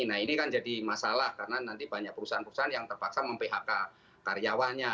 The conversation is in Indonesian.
nah ini kan jadi masalah karena nanti banyak perusahaan perusahaan yang terpaksa mem phk karyawannya